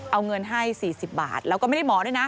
เอาเงินให้๔๐บาทแล้วก็ไม่ได้หมอด้วยนะ